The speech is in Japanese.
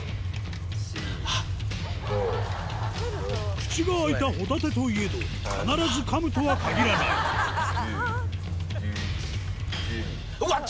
口が開いたホタテといえど必ず噛むとは限らない１１・１２。